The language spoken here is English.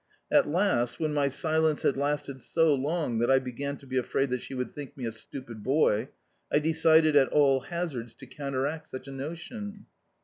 At last, when my silence had lasted so long that I began to be afraid that she would think me a stupid boy, I decided at all hazards to counteract such a notion.